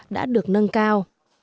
đã được nâng cao